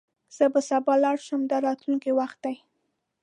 زه به سبا لاړ شم – دا راتلونکی وخت دی.